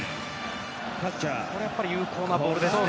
これは有効なボールですね。